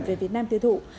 về việt nam tiêu thụ